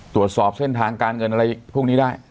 ตรวจสอบเส้นทางการเงินอะไรพวกนี้ได้